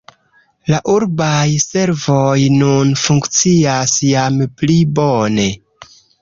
La urbaj servoj nun funkcias jam pli bone.